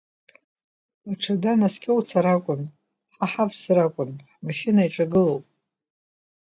Аҽада наскьоуцар акәын, ҳа ҳавсыр акәын, ҳмашьына иаҿагылоп…